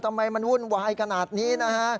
ทำไมมันวุ่นวายขนาดนี้นะฮะ